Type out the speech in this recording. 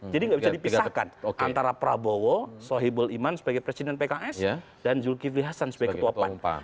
jadi tidak bisa dipisahkan antara prabowo sohibul iman sebagai presiden pks dan zulkifli hasan sebagai ketua umum partai